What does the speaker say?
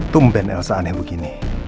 tung ben elsa aneh begini